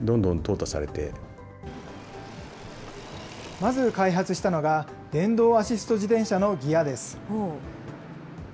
まず開発したのが、電動アシスト自転車のギアです。